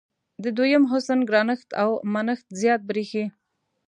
د دویم حسن ګرانښت او منښت زیات برېښي.